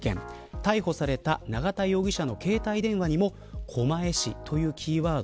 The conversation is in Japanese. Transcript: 逮捕された永田容疑者の携帯電話にも狛江市というキーワード